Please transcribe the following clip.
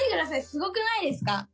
すごくないですか？